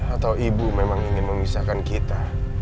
atau ibu memang ingin memisahkan kita